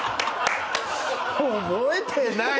覚えてない。